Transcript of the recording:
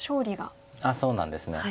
あっそうなんですね。